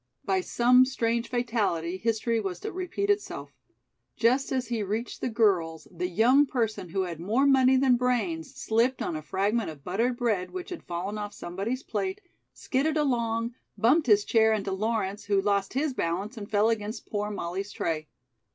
By some strange fatality, history was to repeat itself. Just as he reached the girls, the young person who had more money than brains slipped on a fragment of buttered bread which had fallen off somebody's plate, skidded along, bumped his chair into Lawrence, who lost his balance and fell against poor Molly's tray.